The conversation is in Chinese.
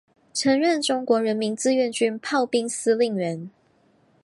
曾任中国人民志愿军炮兵司令员。